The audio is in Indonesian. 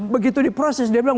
begitu diproses dia bilang